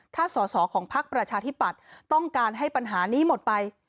ถ้าสอสอของพักประชาธิปัตย์ต้องการให้ปัญหานี้หมดไป